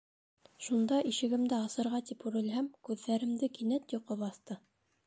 Шунда, ишегемде асырға тип үрелһәм, күҙҙәремде кинәт йоҡо баҫты...